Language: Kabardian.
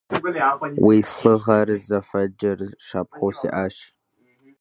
Уи лӀыгъэр, зэфӀэкӀыр щапхъэу сиӀащ.